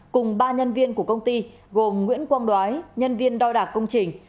cùng ba nhân viên của công ty gồm nguyễn quang đoái nhân viên đo đạc công trình